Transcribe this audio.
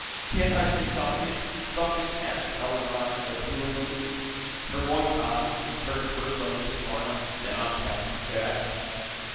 "Can't I say something something?" asked Helen Rhinds, appealingly. Her moist eyes turned first on Mr. Farnum, then on Captain Jack.